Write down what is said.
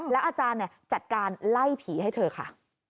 อาจารย์จัดการไล่ผีให้เธอค่ะ